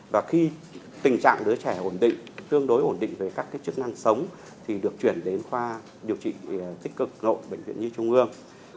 và khi tình trạng đứa trẻ ổn định tương đối ổn định về các chức năng sống thì được chuyển đến khoa điều trị tích cực nội bệnh viện nhi trung ương